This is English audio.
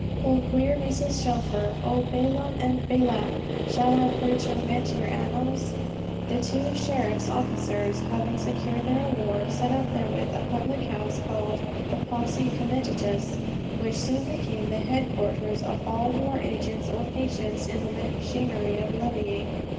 Oh, queer Mrs. Shelfer, oh Balaam and Balak, shall I pretermit your annals? The two Sheriff's officers, having secured their reward, set up therewith a public house called the "Posse Comitatus," which soon became the head quarters of all who are agents or patients in the machinery of levying.